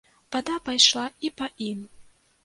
Вада пайшла і па ім.